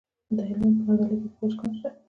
د هلمند په نادعلي کې د ګچ کان شته.